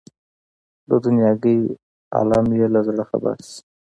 د دنیاګۍ عالم یې له زړه خبر شي.